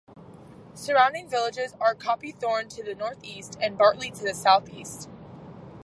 Surrounding villages are Copythorne to the northeast, and Bartley to the southeast.